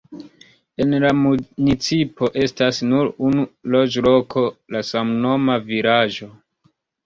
En la municipo estas nur unu loĝloko, la samnoma vilaĝo.